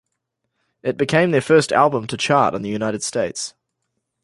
It became their first album to chart in the United States.